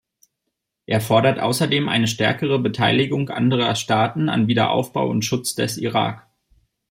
Er forderte außerdem eine stärkere Beteiligung anderer Staaten an Wiederaufbau und Schutz des Irak.